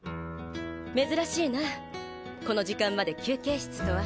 珍しいなこの時間まで休憩室とは。